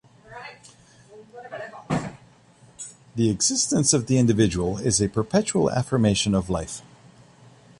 The existence of the individual is a perpetual affirmation of life.